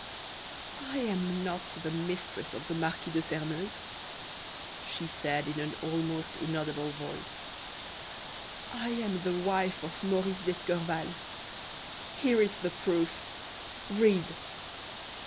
"I am not the mistress of the Marquis de Sairmeuse," she said, in an almost inaudible voice; "I am the wife of Maurice d'Escorval. Here is the proof read."